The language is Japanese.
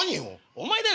お前だよ